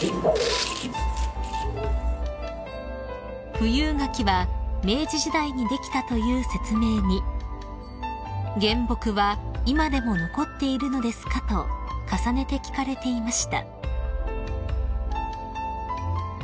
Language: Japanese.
［富有柿は明治時代にできたという説明に「原木は今でも残っているのですか？」と重ねて聞かれていました］